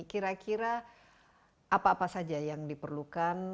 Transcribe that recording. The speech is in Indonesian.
kira kira apa apa saja yang diperlukan